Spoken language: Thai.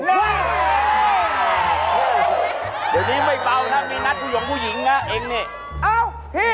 เดี๋ยวนี้ไม่เบานะมีนัดผู้หญิงผู้หญิงนะเองนี่